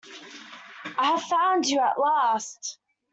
I have found you at last!